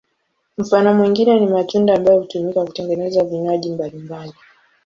Mfano mwingine ni matunda ambayo hutumika kutengeneza vinywaji mbalimbali.